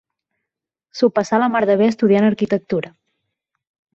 S'ho passà la mar de bé estudiant arquitectura.